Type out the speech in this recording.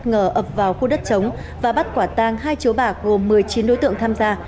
ngờ ập vào khu đất chống và bắt quả tang hai chiếu bạc gồm một mươi chín đối tượng tham gia